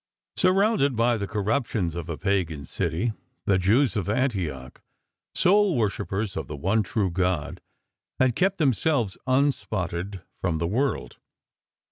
Surrounded by the corruptions of a pagan city, the Jews of Antioch, sole worshippers of the one true God, had kept themselves un spotted from the world.